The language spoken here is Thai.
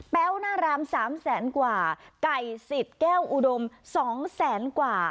้วหน้าราม๓แสนกว่าไก่สิทธิ์แก้วอุดม๒แสนกว่า